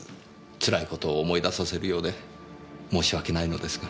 つらい事を思い出させるようで申し訳ないのですが。